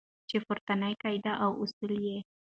چې پورتنۍ قاعدې او اصول یې